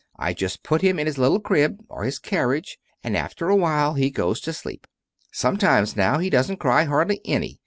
I just put him in his little crib, or his carriage, and after a while he goes to sleep. Sometimes, now, he doesn't cry hardly any.